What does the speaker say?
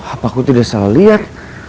apa aku tidak salah lihat